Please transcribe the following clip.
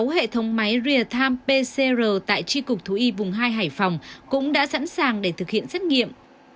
sáu hệ thống máy real time pcr tại tri cục thú y vùng hai hải phòng cũng đã sẵn sàng để thực hiện xét nghiệm